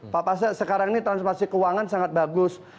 pak pasek sekarang ini transformasi keuangan sangat bagus